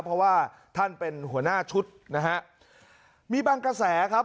เพราะว่าท่านเป็นหัวหน้าชุดนะฮะมีบางกระแสครับ